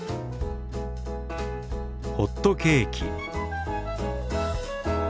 「ホットケーキ」。